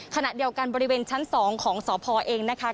ขณะเดียวกันบริเวณชั้น๒ของสอบภาวังน้ำเย็น